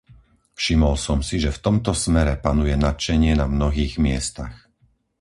Všimol som si, že v tomto smere panuje nadšenie na mnohých miestach.